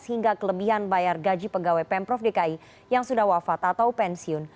hingga kelebihan bayar gaji pegawai pemprov dki yang sudah wafat atau pensiun